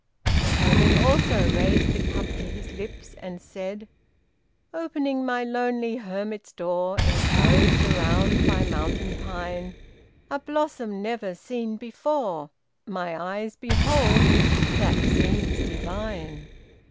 The hermit also raised the cup to his lips, and said: "Opening my lonely hermit's door, Enclosed around by mountain pine, A blossom never seen before My eyes behold that seems divine."